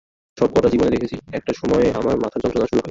সব কটা জীবনে দেখেছি, একটা সময়ে আমার মাথার যন্ত্রণা শুরু হয়।